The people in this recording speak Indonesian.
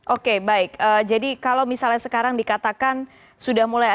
oke baik jadi kalau misalnya sekarang dikatakan sudah mulai ada